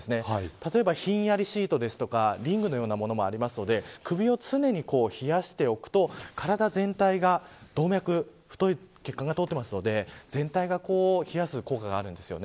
例えばひんやりシートですとかリングのようなものもあるので首を常に冷やしておくと体全体が太い血管が通っているので全体を冷やす効果があります。